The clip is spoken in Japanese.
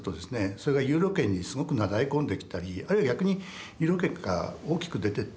それがユーロ圏にすごくなだれ込んできたりあるいは逆にユーロ圏から大きく出てったりと。